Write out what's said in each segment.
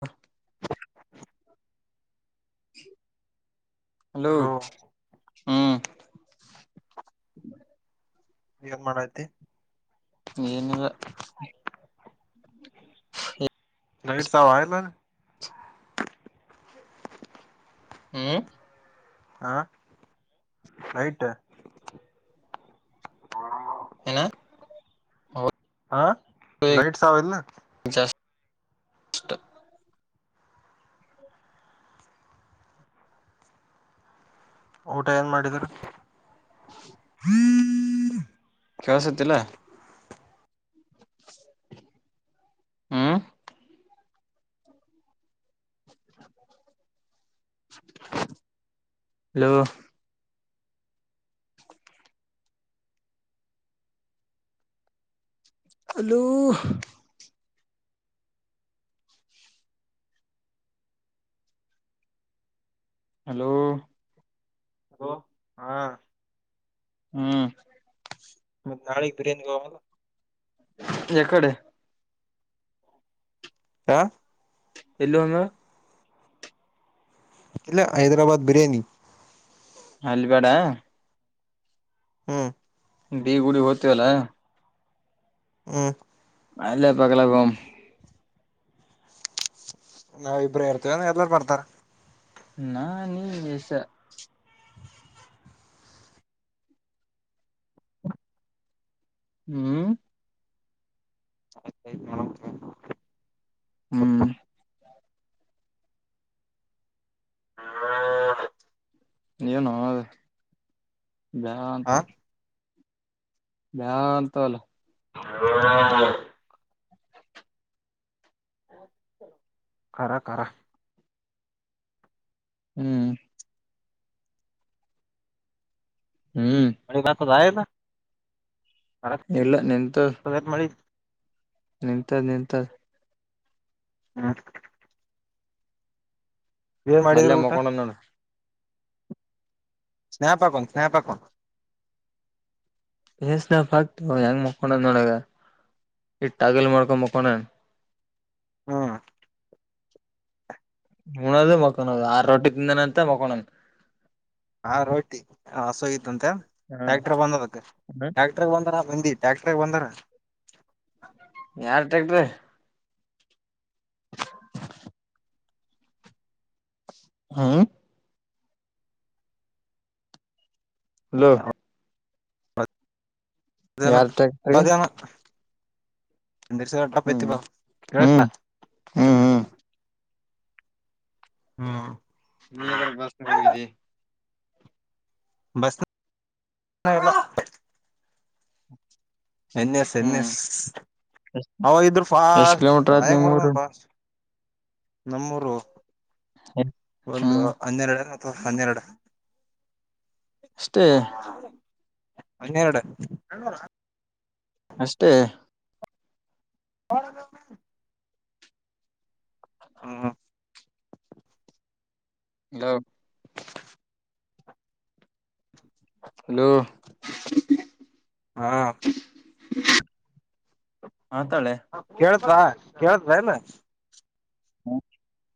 ಹಾ [inaudible] ಹಲೋ ಹ್ಮ್ [unintelligible] ಏನ್ ಮಾಡಐತಿ ನೀನದ ರೈಡ್ ಸಾಬ ಆಲ್ಲಾನ ಹ್ಮ್ ಹಾ ಆಯಟಾ ್ಣ ಹ ಹಾ ಲೈಟ್ಸ್ ಆವಲ್ಲ ನ ಹ ಊಟ ಏನ್ ಮಾಡಿದ್ರ್ಮ ಕವಸಲ್ಲ ಹ್ಮ್ ಹಲೋ ಅಲೂ ಹಲೋ ಹೋ ಹಾ [inaudible] ಹ್ಮ್ ಮತ್ ನಾಳಿಗ್ ಬಿರಿಯಾನಿಗ್ ಹೋಗಮಲಾ ಎ ಕಡೆ ಹ ಎಲ್ಲ ಅಂಗ ಇಲ್ಲ ಹೈದ್ರಾಬಾದ್ ಬಿರಿಯಾನಿ ಅಲ್ ಬೇಡ ಹ್ಮ್ ಬೀಗುಡಿ ಹತ ಅಲ್ಲಾ ಹ್ಮ್ ಅಲ್ಲ ಪಗ್ಲ ಗಮ ನಾವ ಇಬ್ಬ್ರೇ ಇರ್ತೇವಂದ ಎಲ್ಲಾರು ಬರ್ತಾರ ನಾ- ನೀ [inaudible] ವಸ ಹ್ಮ್ ಹ್ಮ್ ಏನು- ಬಾ -ಅಂತ ಹ ನಂತ ಅಲ [unintelligible] ಖರಖರ ಹ್ಮ್ ಹ್ಮ್ ಅಡಿಗತದಾಯ ಇಲ್ಲ ನಿಂತು. ಇಲ್ಲ ಮಳಿ ನಿಂತದ ನಿಂತದ. ಹಾ ಮಲ್ಲ ಮೋಕೋಣಂದಣ ಸ್ನೇಹಪಕ ಸ್ನೇಹಪಕ. ವಸ್ ನ ಭಕ್ತು ಹೆಂಗ್ ಮಕೋಡ ನೋಡಗ ಇಟ್ಟಗಲ್ ಮಾಡ್ಕೊಂಬಕೋಣ ಹಾ ಹಣೋದು ಮಕೊದು ಆರು ರೊಟ್ಟಿ ತಿಂದನ ಅಂತ ಮಕಳನ್. ಹಾ -ರೋಟಿ ಹಸೋಗಿತ್ತುಂತೆ ಹಾ ಟ್ಯಾಕ್ಟರ್ ಬಂದದಕ್ ಹ್ಮ ಟ್ಯಾಕ್ಟ್ರ ಬಂದರ. ಬಂದಿ ಟ್ಯಾಕ್ಟರ್ಗೆ ಬಂದಾರ. ಯಾರ್ಟ್ಯಾಕ್ಟ್ರಿ ಹ್ಮ ಹಲೋ ಜನ ಯಾರ ತಾರೀಕಿಗೆ ಇತಿ ಹ್ಮ್ ಹ್ಮ್ ಹ್ಮ್ ಹ್ಮ ನೀ- ಎದರ ಬಸ್ ಹೋಗಿದ್ದಿ. ಬಸ್ಲ್ಲ [unintelligible] ಹ [inaudible] ಎನ್ಯಸ್ ಎನ್ಯಸ್ ಅವಾಗ ಇದ್ರರು ಎಷ್ಟ್ ಸ್ಟ್ ಕಿಲೋಮೀಟರ್ ಆತ್ ನಿಮ್ ಊರು ಸಾಯಸ್ಟ್ ನಮ್ಮೂರು ಒಂದು ಹ್ಮ್ ಹನ್ನೆರಡು ಅಥವಾ ಹನ್ನೆರಡು ಅಷ್ಟೇ ಅನ್ನಡು ಅಷ್ಟೇ ಹ [unintelligible] ಹಾ- ಹ ಹಲೋ ಹಲೋ ಹಾ [inaudible] ಕೇಳ್ತಾ ಕೇಳ್ತ ಏನು ಹ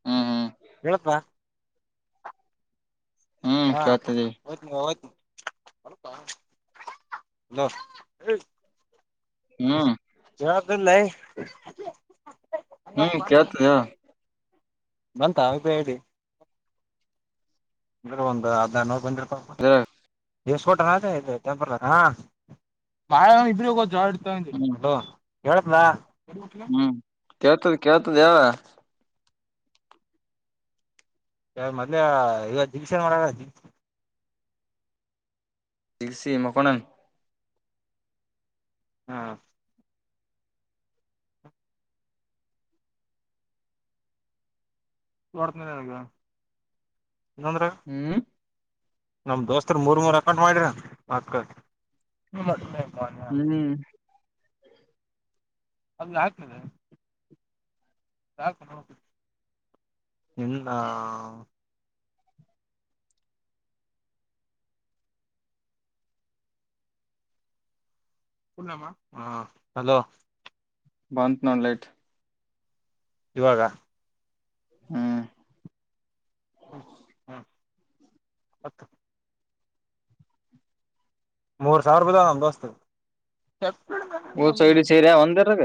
ಹಾ ಹಾ ಹೇಳಪ್ಪ ಹ್ಮ್ ಹಾ ಕೇಳ್ತದಿ -ಹಓದ ನೀ ಓದನ [unintelligible] ಹ್ಮ್ ಯಕಲ್ಲ ಹ್ಮ್ ಕತಾ ಬಂತ ಆ್ದ ಹೇಳಿ ಅಂದ ಒಂದು ಅದ ನೋ ಬಂದ್ರರಿ ಪಾಪ ಅದ್ರಾಗ ದಸ್ಕೋಟ ಅದ ಟಂಪರ್ ಬಾಳ್ರ ಹ್ಮ್ ಲೋ ಹೇಳಾ ಹ್ಮ್ ಕೇಳ್ತದ ಕೇಳ್ತದ ಯಾವ ಯ ಮೊದ್ ಇವಾಗತ್ತು ದಿನ್ಕ್ಷೆನ್ ಮಾಡಾರ ದಿ ಸಿಗ್ಸಿ ಮಕೋಣನ್ ಹಾ ಕೊರ್ತನಕ್ಕ ಹ್ಮ್ ನಮ್ ದೋಸ್ತರ್ ಮೂರ್ ಮೂರ್ ಅಕಟ್ ಮಾಡಿರ ಅಕತ್ ನೀ ಮ ಯ ಹ್ಮ್ ಅದು ಆಾಗ್ತದೆ ಎ ಹ ಹಲೋ ಬಂದ ನೋಡ ಲೈಟ್ ಇವಾಗ ಹ್ಮ ಹತ್ತು ಮೂರ ಸಾವ ರಪದ ನ ಬಸ್ ಹಊ ಸಲಿಿ ಸೇರಿಯ ಒಂದರದ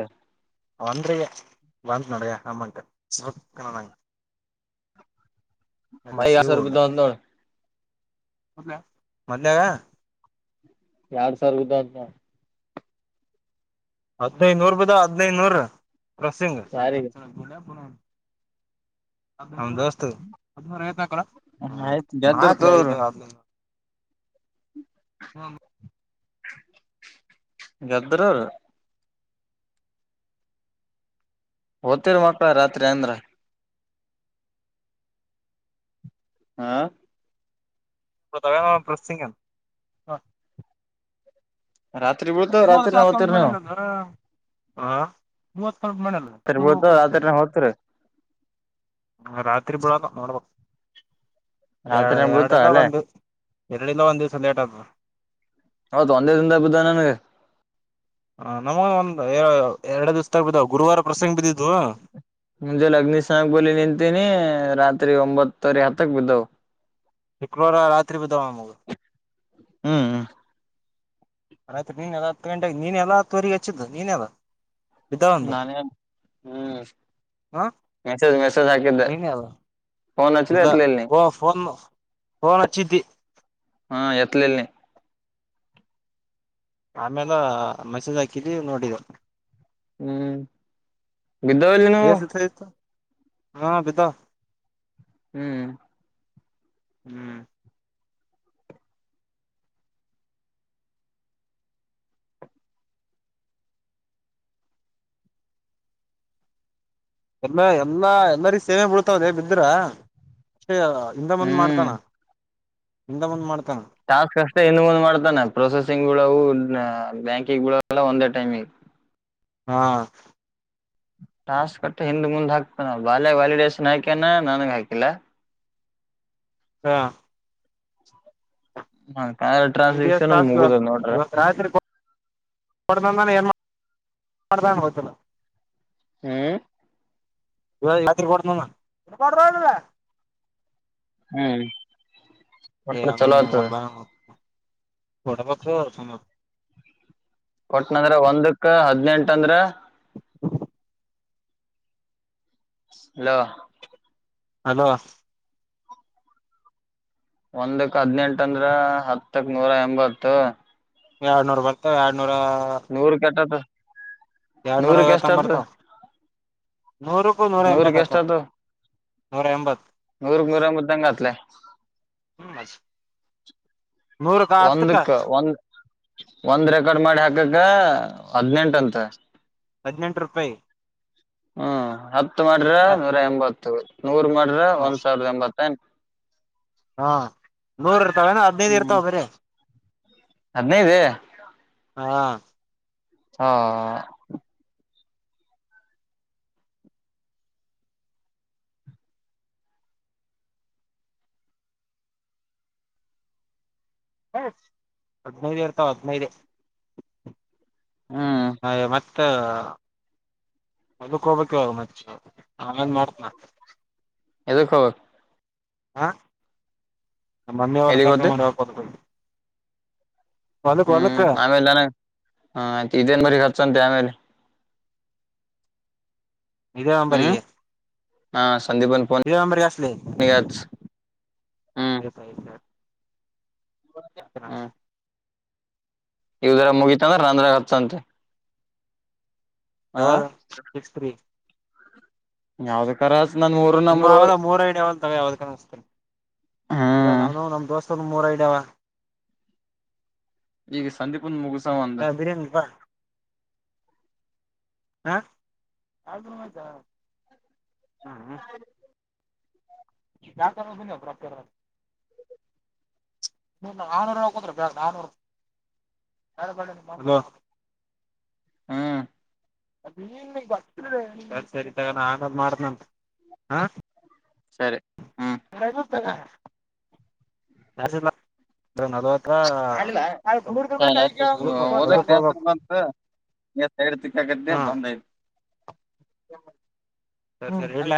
ವಂದ್ರಯ ಬಂದ ನಡೆಯ ಹಮಕ ಸಪಣ ನಂ ಮ ಆಾಸರ್ ನೋ ಮ ಮದಾಗ ಎರಡ್ ಸರ್ ಗದ ಹದ್ಿನೈದುನೂರು ಬ ಹದ್ಿನೈದುನೂರ್ ರಸಿಂಗ್ ಯಾರಿಗೆ ನಮ್ ದೋಸ್ತತ್ ಹದ ಆಯ್ತ್ ಗೆದ್ದರ್ ಐಕಕ್ಲಿ ತೋವ್ರಿ ಐದ್ನೂ ಆ ಹ ಗ್ದರರು ಓದ್ತಿೀರ ಮಕ್ಳ ರಾತ್ರಿ ಅಂದ್ರ ಹಾ ತ ಪ್ರಸಂಗ ಹ ರಾತ್ರಿ ಬೀಳ್ತಾವ ಮೂವಕ ರಾತ್ರಿನ ಓದ್ತಿರಿ ನೀವು ಮಾಡಲ್ಲದ ಮೂವ ತರ್ಬೋದು ಆ ತರನ ಹೋ್ತರಿ ರಾತ್ರಿ ಬಿಳಕ ನೋಡ್ಬ ರಾತ್ರಿನ ಎರಡುಲ್ಲ ಬೀಳ್ತಾವ ಅಲ್ಲೇ ಬಂದು ಎರಡುಲ್ಲ ಒಂದ ದಿವಸ ಲೇಟ್ದ ಹ ತೊಂದೇ ತಿಂದ ಬುದ ನನ್ಗೆ ಹ ನಮ ಒಂದ ಎರಡೇ ದಿವ್ಸ ಬಿದ್ದಾವ ಗುರುವಾರ ಪ್ರಸಂಗ ಬಿದ್ದಿದ ಮುೆ ಲಗ್ನಿ ಸ್ನಾನ ಬಲೆ ನಿಂತನೆ ರತ್ ತ್ರಿ ಒಂಬತ್ತರಿ ಹತ್ತಕ್ ಬಿದ್ದವು ಶುಕ್ರವಾರ ರತ್ರಿ ಬಧಾವ ಮೂಗ ಹ್ಮ್ ಆ ಆಯ್ತ್ು ನೀನ್ ಎಲ್ಲ ಗಂಟ ನೀನೆ ಎಲ್ಲಾ ತೋರಿಗೆ ಹಚ್ಚಿದ್ದು ನೀನೆ ಎಲ್ಲಾ ನಾನೇ ಹ್ಮ್ ಹ ಮೆಸೇಜ್ ಮೆಸೇಜ ಹಾಕಿದ್ದೆ ನೀನೇ ಅದ ಫೋನ್ ಹಚ್ಚಿದೆ ಇಲ್ಲ ಎತ್ಲಿಲ್ ನೀ ಫೋನ್ ಫೋನ ಹಚ್ಚಿದ್ದಿ ಹಾ ಎತ್ತ ಲಿಲ್ಲ ನಿ ಆಮೇಲೆ ಮೆಸೇಜ ಹಾಕಿದ್ದೀ ನೋಡಿದೆ ಹ್ಮ್ ಗಿದ್ದಲ್ಲಿನು ಎಷ್ಟ ಇತ್ತು ಹಾ ಬಿದ್ದವ ಹ್ಮ್ ಹ್ಮ್ ಎಲ್ಲ ಎಲ್ಲ ಎಲ್ಲರಿ ಸೇವೆ ಬಳ್ತಾವದೇ ಬಿದ್ರ ಅ ಹಿಂದ ಮುಂದ ಹ್ಮ್ ಮಾಡ್ತಾನ ಹಿಂದ ಮುಂದ ಮಾಡತನ ಟಾಸ್ಕ್ ಅಷ್ಟೆ ಹಿಂದ ಮುಂದ ಮಾಡ್ತಾನ ಪ್ರೊಸೆಸಿಂಗ ಒಳಗೂ ಬ್ಯಾಂಕಿಗೆ ಬಿಳಲ್ಲ ಒಂದೇ ಟೈಮ ಹಾ ಟಾಸ್ ಕೊಟ್ಟು ಹಿಂದ ಮುಂದ ಹಾಕ್ತನ ಬಾಲ್ ವಾಲಿಡೇಶನ್ ಹಾಕ್ಯನ ನನ್ಗೆ ಹಾಕಿಲ್ಲ ಹಾ ಹ ಟಿ ಡಿ ಎಸ್ ಟ್ರಾನ್ಸಾಕ್ಷನ್ ಮುಗುದು ನೋಡ್ರಿ ಕೊಡಾನ ಏನ್ ಮಾಡ ಗೊತ್ತಿಲ್ಲ ಹ್ಮ್ ಇ [inaudible] ತ್ರಿ ಕೊಡ ಕೊ ಹ್ಮ್ ಏ ಒಟ್ಟ ಚಲೋ ಅಂಗ ಆತದ ಹರಬ ನ ಒಡಬೇಕತ್ತು ಸಮ ಕೊಟ್ನಂದ್ರ ಒಂದಕ್ ಹದನೆಂಟ ಅಂದ್ರ ಹಲೋ ಹಲೋ ಒಂದಕ ಹದ್ನೆಂಟ ಅಂದ್ರ ಹತ್ತಕ ನೂರ ಎಂಬತ್ತು ಎರಡ್ನೂರ ಬರ್ತ ಎಡ್ಡು ನೂರು ಕ ಎಟ್ಟು ಆತದ ಎರಡ್ನೂರ ಐವತ್ತಂಗ ಬರ್ತಾವ ನೂರುಕೂ ನೂರ ಎಂಬತ ನೂರಕ್ ಅತ ನೂರ ಎಂಬತ್ತು ನೂರ ಕ ನೂರ ಎಂಬತ್ತು ಹ್ಯಾಂಗ ಆತದ ಲೇ ನೂರಕ ಹತ್ತಕ್ಕ ಒಂದಕ್ಕ ಒಂದ ಒಂದ್ರ ಕಡ ಮಾಡಿ ಹಾಕಕ್ಕ ಹದನೆಂಟ ಅಂತ ಹದಿನೆಂಟು ರೂಪಾಯಿ ಹ್ಮ್ ಹತ ಮಾಡ್ರ ನೂರ ಎಂಬತ್ತು ನೂರ ಮಾಡ್ರ ಹ ಒಂದ್ ಸಾವಿರದ ಎಂಬತ್ತು ಂ [inaudible] ಹಾ ನೂರ ಇರ್ತಾವಏನ ಹದ್ನೈದು ಇರ್ತಾವ ಬ್ರಿ ಹದನೈದು ಹಾ ಹಾ ಹದನೈದು ಇರ್ತಾವ ಹದನೈದು ಹ್ಮ್ ಹ ಮತ್ತೆ ಹೊಲಕ ಹೋಗ್ಬೇಕವಾಗ ಮಚ್ಚೆ ಆಮೇಲ ಮಾಡ್ತನ ಯದಕ್ಕ ಹೋಗಬೇಕು ಹಾ ನ ಮಮ್ಮಿ ಅವ್ರ ಎಲ್ಲಿಗ್ ಕಸ ಹೋದ್ದೆ ಮಾಡ ಹದ ಹ್ಮ್ ಆಮೇಲೆ ನನ ಇದೇನ್ ಬರಿ ಹಚ್ಚಂತೆ ಆಮೇಲೆ ಇದೆ ನಂಬರ್ ಹ್ಮ್ ಗಿ ಹಾ ಸಂದೀಪನ್ ಹಚ್ಚಲಿ ಫೋನಿಗೆ ಹಚ್ ಹ್ಮ್ ಸಪ ಇ [inaudible] ಹಾ ಇದರ ಮುಗಿತಂದ್ರ ನಂದ್ರಗ ಹಚ್ಚತಿ ಯವಾಗ ಸಿಕ್ಸ್ ತ್ರೀ ಯಾವ್ದ ಕರ ನನ್ ಮೂಊರು ನಂಬ್ರಳ. ಯಾವದತ ಈಗ ಹ್ಮ್ ನಾವನು ನಮ್ ದೋಸ್ತ ಮೂರ ಐಡ್ಯಾವ. ಈಗ ಸಂದೀಪಂದು ಮುಗಸ ಅಂದ. ಬಿರಿಯಾನಿ ಬಾ ಹ್ ಹ್ಮ. ನಾಕಾರ ಬನ್ನ ಅಬರಾಬ್ತ. ಹ ಆರ್ನೂರು ಕದ್ರ ಬ ಆರ್ನೂರು. [unintelligible] ಹಾ. ಸರಿ ತಗ ನದ್ ಮಾಡ್ದನಂತ ಹಾ. ಸರಿ. ಹ್ಮ್ [unintelligible] ಹಾ [inaudible] ಎ- ಹೇಡ್ತಿಕ್ಕಗತ್ತ ಬಂದಯ್ತ. ಸರಿ ಸರಿ ಇಲ್ಲ.